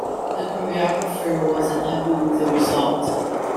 The choreographer wasn't happy with the result.